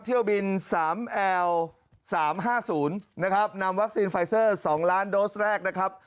เที่ยวบินสามแอลสามห้าศูนย์นะครับนำวัคซีนไฟเซอร์สองล้านโดสแรกนะครับ